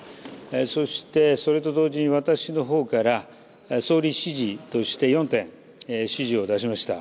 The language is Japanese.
そして、それと同時に私のほうから総理指示として４点指示を出しました。